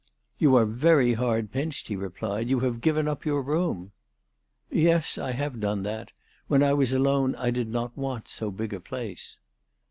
"You are very hard pinched/' he replied. "You have given up your room." " Yes, I have done that. When I was alone I did not want so big a place."